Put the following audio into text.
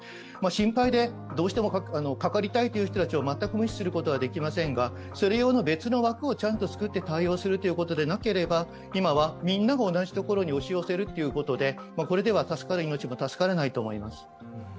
心配で、どうしてもかかりたいという人たちを無視することはできませんがそれ用の別の枠をちゃんと作って対応するということでなければ今はみんなが同じところに押し寄せるということでこれでは助かる命も助からないと思います。